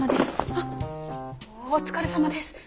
あっお疲れさまです。